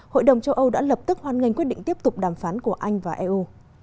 hội đồng châu âu đã lập tức hoan nghênh quyết định tiếp tục đàm phán của anh và eu